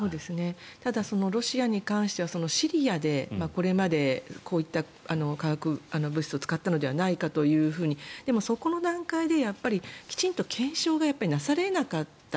ただ、ロシアに関してはシリアでこれまでこういった化学物質を使ったのではないかというふうにでも、そこの段階できちんと検証がなされなかった。